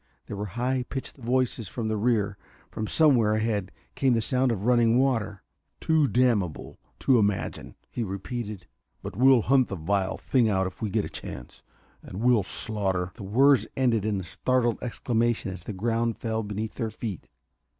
There were high pitched voices from the rear. From somewhere ahead came the sound of running water. "Too damnable to imagine!" he repeated. "But we'll hunt the vile thing out if we get a chance, and we'll slaughter " The words ended in a startled exclamation as the ground fell beneath their feet.